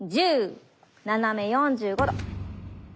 １０斜め４５度。